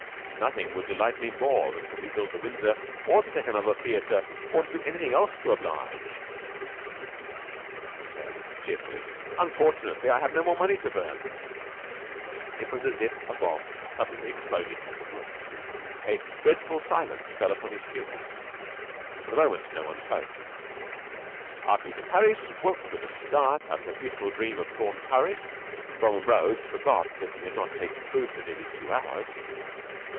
"Nothing would delight me more than to rebuild the Windsor, or to take another theater, or do anything else to oblige," he said, cheerfully. "Unfortunately, I have no more money to burn." It was as if a bomb had suddenly exploded in the room. A dreadful silence fell upon his hearers. For the moment no one spoke. R. P. de Parys woke with a start out of a beautiful dream of prawn curry and Bromham Rhodes forgot that he had not tasted food for nearly two hours.